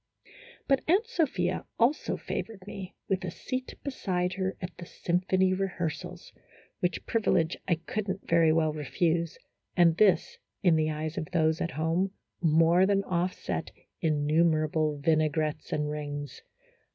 But Aunt Sophia also favored me with a seat beside her at the symphony rehearsals, which privi lege I could n't very well refuse, and this, in the eyes of those at home, more than offset innumerable vinaigrettes and rings.